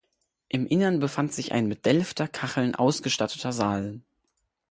Im Innern befand sich ein mit Delfter Kacheln ausgestatteter Saal.